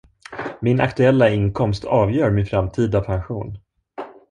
Min aktuella inkomst avgör min framtida pension.